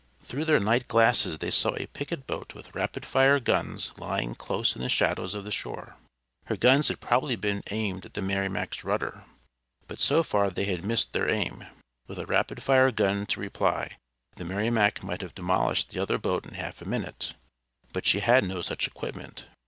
Through their night glasses they saw a picket boat with rapid fire guns lying close in the shadows of the shore. Her guns had probably been aimed at the Merrimac's rudder; but so far they had missed their aim. With a rapid fire gun to reply the Merrimac might have demolished the other boat in half a minute, but she had no such equipment.